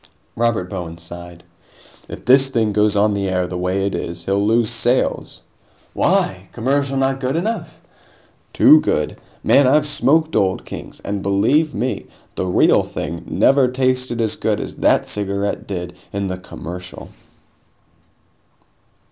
Robert Bowen sighed. "If this thing goes on the air the way it is, he'll lose sales." "Why? Commercial not good enough?" "Too good! Man, I've smoked Old Kings, and, believe me, the real thing never tasted as good as that cigarette did in the commercial!"